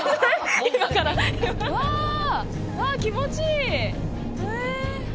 わあ、気持ちいい。